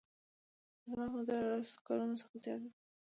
د خدمت موده له لس کلونو څخه زیاته وي.